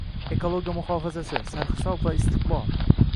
Ekologiya muhofazasi: sarhisob va istiqbolng